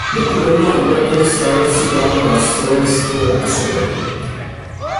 Dokud nebudou uplatněny stávající právní nástroje, listinu nepotřebujeme.